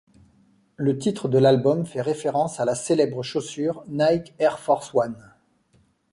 Le titre de l'album fait référence à la célèbre chaussure Nike Air Force One.